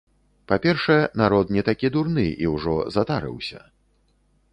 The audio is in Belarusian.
Па-першае, народ не такі дурны і ўжо затарыўся.